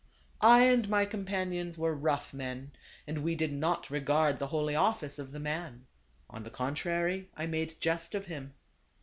" I and my companions were rough men, and we did not regard the holy office of the man. On the contrary, I made jest of him.